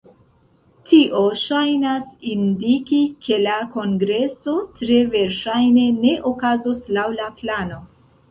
Tio ŝajnas indiki, ke la kongreso tre verŝajne ne okazos laŭ la plano.